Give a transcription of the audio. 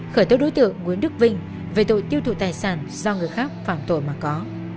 khởi tố đối tượng nguyễn đức vinh về tội tiêu thụ tài sản do người khác phạm tội mà có